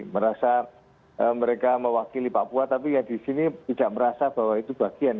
merasa mereka mewakili papua tapi ya di sini tidak merasa bahwa itu bagian